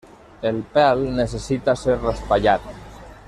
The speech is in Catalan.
El pèl necessita ser raspallat.